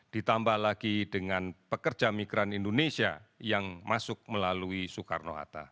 ditambah lagi dengan pekerja migran indonesia yang masuk melalui soekarno hatta